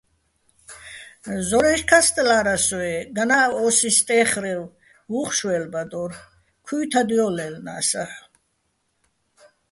ზორა́ჲში̆ ქასტლა́რას-ე́, განი́ ას ო́სი სტე́ხრევ უ̂ხ შვე́ლბადო́რ, ქუ́ჲთად ჲო́ლჲაჲლნა́ს აჰ̦ო̆.